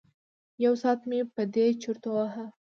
یو ساعت مې په دې چرت وهه.